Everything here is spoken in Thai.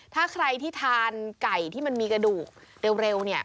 ถ้าใครที่ทานไก่ที่มันมีกระดูกเร็วเนี่ย